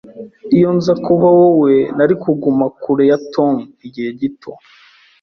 Iyo nza kuba wowe, nari kuguma kure ya Tom igihe gito.